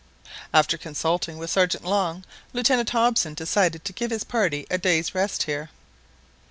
After consulting with Sergeant Long, Lieutenant Hobson decided to give his party a day's rest here.